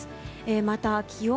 また、気温。